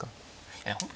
いや本譜